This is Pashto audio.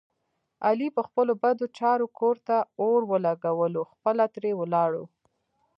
علي په خپلو بدو چارو کور ته اور ولږولو خپله ترې ولاړو.